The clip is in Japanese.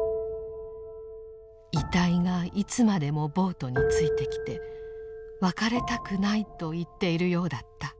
「遺体がいつまでもボートについてきて別れたくないと言っているようだった」。